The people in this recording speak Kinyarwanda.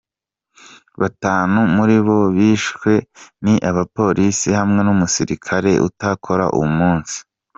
Batanu muri abo bishwe ni abapolisi hamwe n'umusirikare atakora uwo munsi.